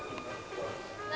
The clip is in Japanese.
「何？